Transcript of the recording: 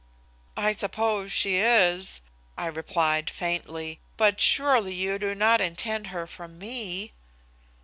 "I suppose she is," I replied faintly, "but surely you do not intend her for me?"